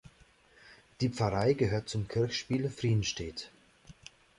Die Pfarrei gehört zum Kirchspiel Frienstedt.